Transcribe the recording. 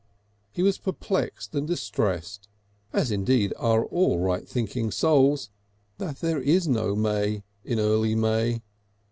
He was perplexed and distressed, as indeed are all right thinking souls, that there is no may in early May.